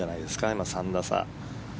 今、３打差。